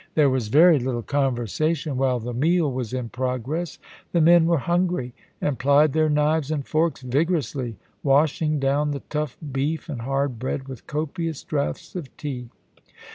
There was very little conversation while the meal was in progress. The men were hungr}', and plied their knives and forks vigorously, washing down the tough beef and hard bread with copious draughts of tea.